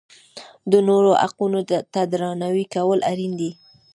د نورو حقونو ته درناوی کول اړین دي.